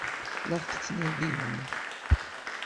La ɣ-tettnadim?